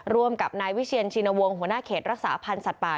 ร่วมกับนายวิเชียนชินวงศ์หัวหน้าเขตรักษาพันธ์สัตว์ป่า